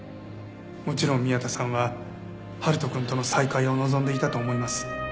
もちろん宮田さんは春人くんとの再会を望んでいたと思います。